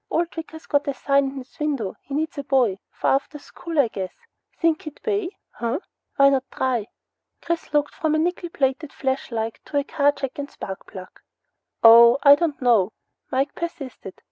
"Old Wicker's got a sign in his window he needs a boy. For after school, I guess. Think he'd pay, huh? Whyncha try?" Chris looked from a nickel plated flashlight to a car jack and spark plug. "Oh I don't know." Mike persisted.